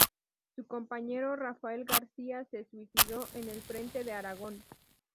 Su compañero Rafael García se suicidó en el frente de Aragón.